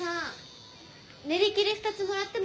練り切り２つもらってもいい？